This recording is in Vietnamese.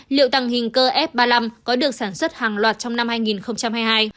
liệu tăng hình cơ f ba mươi năm có được sản xuất hàng loạt trong năm hai nghìn hai mươi hai